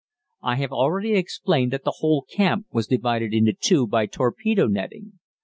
I have already explained that the whole camp was divided into two by torpedo netting.